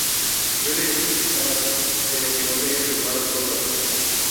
Yo les dije que estaba bien pero que no quería firmar autógrafos".